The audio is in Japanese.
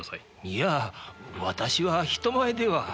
いや私は人前では。